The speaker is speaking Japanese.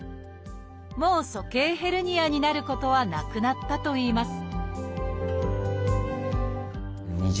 もう鼠径ヘルニアになることはなくなったといいます